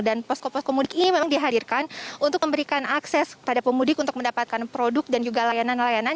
posko posko mudik ini memang dihadirkan untuk memberikan akses kepada pemudik untuk mendapatkan produk dan juga layanan layanan